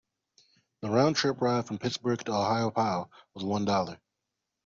The round trip ride from Pittsburgh to Ohiopyle was one dollar.